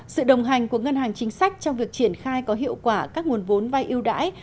sự đồng hành của ngân hàng chính sách trong việc triển khai có hiệu quả các nguồn vốn vai ưu đãi